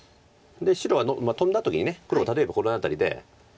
白はトンだ時に黒が例えばこの辺りで。